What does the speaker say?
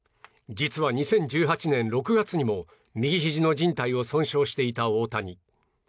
実は２０１８年６月にも右ひじのじん帯を損傷していた大谷。